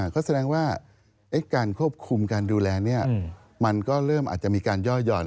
ก็แสดงว่าการควบคุมการดูแลมันก็เริ่มอาจจะมีการย่อหย่อน